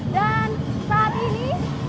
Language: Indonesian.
dan saat ini